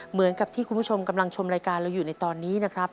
เหมือนกับที่คุณผู้ชมกำลังชมรายการเราอยู่ในตอนนี้นะครับ